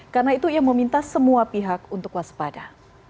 karena itu ia meminta semua pihak untuk waspada